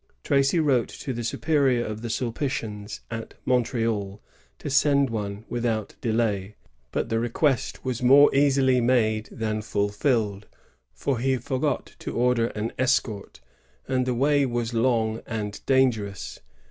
Tracy wrote to the superior of the Sulpitians at Montreal to send one without delay ; but the request was more easily made than fulfilled, for he f oigot to order an escort, and the way was long and dangerous.